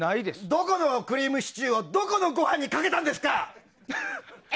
どこのクリームシチューをどこのご飯にかけたんですか？